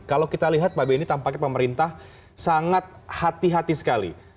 kalau kita lihat pak benny tampaknya pemerintah sangat hati hati sekali